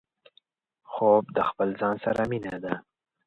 خوب د خپل ځان سره مينه ده